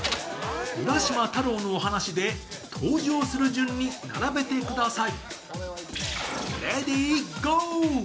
「浦島太郎」のお話で登場する順に並べてください。